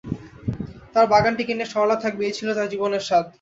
তাঁর বাগানটি নিয়ে সরলা থাকবে এই ছিল তাঁঁর জীবনের সাধ।